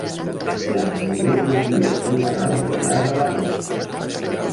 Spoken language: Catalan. Hi ha nombrosos fiords i canals al llarg de la costa.